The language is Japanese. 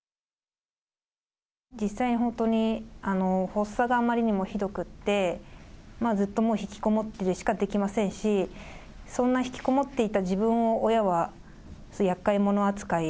実際、本当に発作があまりにもひどくって、ずっともう、引きこもってるしかできないし、そんな引きこもっていた自分を親はやっかい者扱い。